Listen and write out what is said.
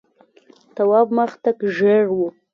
تواب مخ تک ژېړ و.